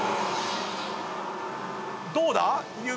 どうだ⁉雪。